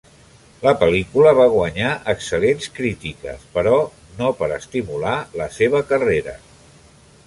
La pel·lícula va guanyar excel·lents crítiques, però no per estimular la seva carrera.